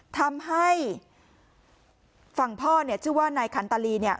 ทำให้ฝั่งพ่อเนี่ยชื่อว่านายคันตาลีเนี่ย